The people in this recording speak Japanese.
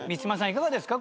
いかがですか？